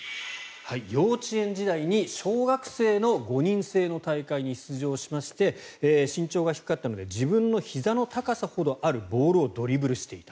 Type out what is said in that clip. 幼稚園時代に小学生の５人制の大会に出場しまして身長が低かったので自分の高さほどあるボールをドリブルしていた。